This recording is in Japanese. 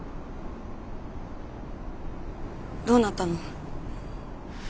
どうなったの？